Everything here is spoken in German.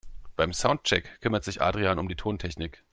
Beim Soundcheck kümmert sich Adrian um die Tontechnik.